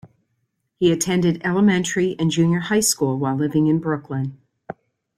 He attended elementary and junior high school while living in Brooklyn.